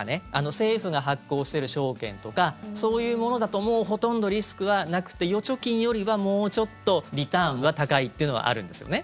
政府が発行してる証券とかそういうものだともうほとんどリスクはなくて預貯金よりはもうちょっとリターンは高いっていうのはあるんですよ。